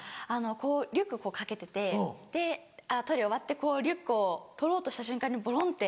リュックをこう掛けててトイレ終わってリュックを取ろうとした瞬間にボロンって。